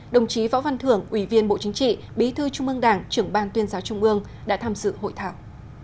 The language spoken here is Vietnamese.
đồng chí võ văn thưởng ủy viên bộ chính trị bí thư trung ương đảng trưởng ban tuyên giáo trung ương đã tham dự hội thảo